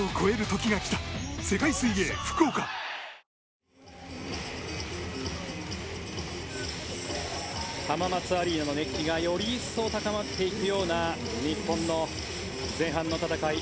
サントリー浜松アリーナの熱気がより一層高まっていくような日本の前半の戦い